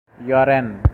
یارن